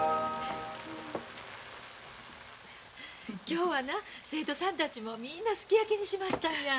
今日はな生徒さんたちもみんなすき焼きにしましたんや。